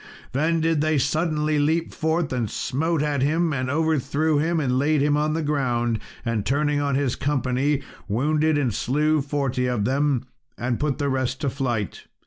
Then did they suddenly leap forth and smote at him and overthrew him and laid him on the ground, and turning on his company wounded and slew forty of them, and put the rest to flight.